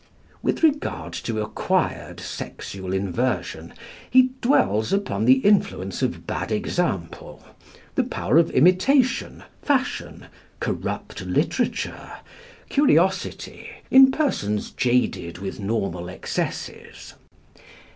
With regard to acquired sexual inversion, he dwells upon the influence of bad example, the power of imitation, fashion, corrupt literature, curiosity in persons jaded with normal excesses.